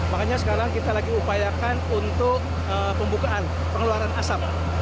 makanya sekarang kita lagi upayakan untuk pembukaan pengeluaran asap